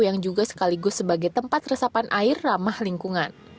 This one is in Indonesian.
yang juga sekaligus sebagai tempat resapan air ramah lingkungan